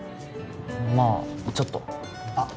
まあちょっとあっ